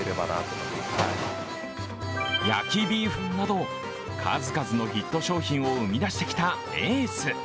焼きビーフンなど、数々のヒット商品を生み出してきたエース。